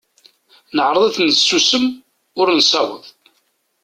Neɛreḍ ad ten-nessusem, ur nessaweḍ.